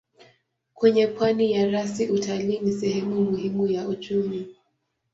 Kwenye pwani ya rasi utalii ni sehemu muhimu ya uchumi.